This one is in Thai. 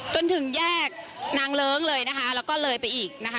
จนถึงแยกนางเลิ้งเลยนะคะแล้วก็เลยไปอีกนะคะ